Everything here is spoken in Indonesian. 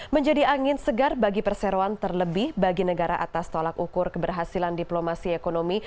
menjadi angin segar bagi perseroan terlebih bagi negara atas tolak ukur keberhasilan diplomasi ekonomi